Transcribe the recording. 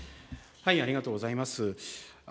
ありがとうございます。